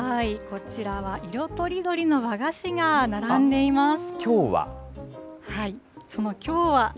こちらは色とりどりの和菓子が並んでいます。